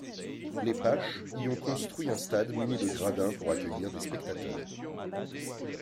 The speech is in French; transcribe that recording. Les Paches y ont construit un stade muni de gradins pour accueillir des spectateurs.